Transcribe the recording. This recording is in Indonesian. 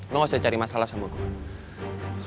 lo gak usah cari masalah sama gue